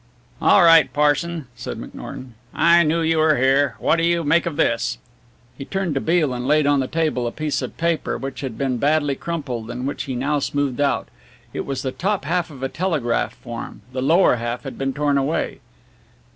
"All right, Parson," said McNorton, "I knew you were here. What do you make of this?" He turned to Beale and laid on the table a piece of paper which had been badly crumpled and which he now smoothed out. It was the top half of a telegraph form, the lower half had been torn away.